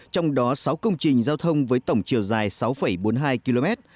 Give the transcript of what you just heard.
trong đó sáu công trình giao thông với tổng chiều dài sáu bốn mươi hai km